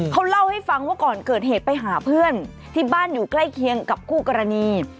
เขาเล่าให้ฟังว่าก่อนเกิดเหตุไปหาเพื่อนที่บ้านอยู่ใกล้เคียงกับคู่กรณี